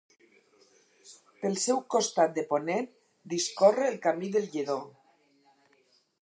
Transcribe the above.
Pel seu costat de ponent discorre el Camí del Lledó.